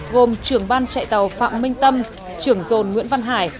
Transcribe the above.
gồm trưởng ban chạy tàu phạm minh tâm trưởng dồn nguyễn văn hải